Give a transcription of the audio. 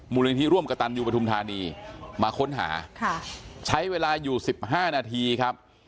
มูลนิธิร่วมกระตันยูปฐุมธานีมาค้นหาใช้เวลาอยู่๑๕นาทีครับ